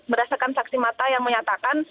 berdasarkan saksi mata yang menyatakan